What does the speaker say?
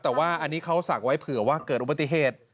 แต่ว่าอันนี้เขาศักดิ์ไว้เผื่อว่าเกิดอุบัติเหตุ